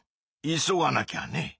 急がなきゃね！